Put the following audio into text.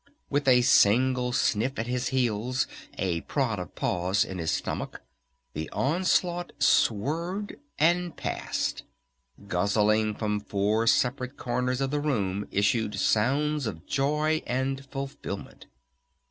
With a single sniff at his heels, a prod of paws in his stomach, the onslaught swerved and passed. Guzzlingly from four separate corners of the room issued sounds of joy and fulfillment.